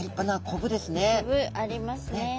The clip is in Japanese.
コブありますね。